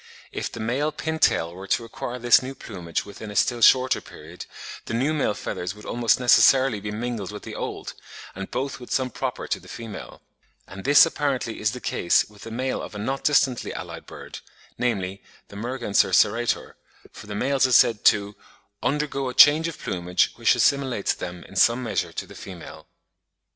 If the male pin tail were to acquire his new plumage within a still shorter period, the new male feathers would almost necessarily be mingled with the old, and both with some proper to the female; and this apparently is the case with the male of a not distantly allied bird, namely the Merganser serrator, for the males are said to "undergo a change of plumage, which assimilates them in some measure to the female."